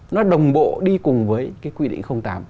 nó đồng bộ đi cùng với cái quy định tám